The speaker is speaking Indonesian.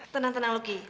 tenang tenang lu ki